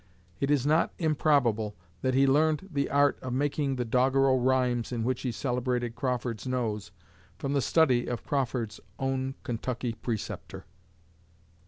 It is not improbable that he learned the art of making the doggerel rhymes in which he celebrated Crawford's nose from the study of Crawford's own 'Kentucky Preceptor.'"